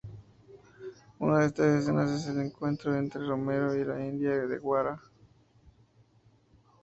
Una de estas escenas es el encuentro entre Romero y la india de guara.